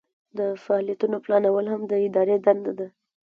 د فعالیتونو پلانول هم د ادارې دنده ده.